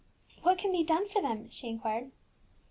"What can be done for them?" she inquired.